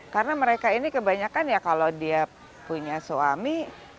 karena mereka ini kebanyakan ya kalau dia punya suami